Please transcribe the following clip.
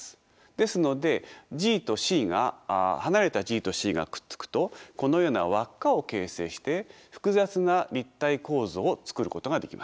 ですので離れたＧとＣがくっつくとこのような輪っかを形成して複雑な立体構造を作ることができます。